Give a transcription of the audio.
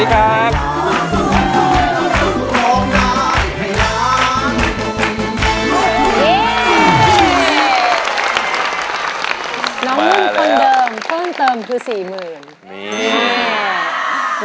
น้องมุ่งคนเดิมเพิ่มเติมคือสี่หมื่น